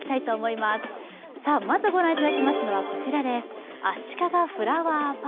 まずご覧いただきますのはこちらです。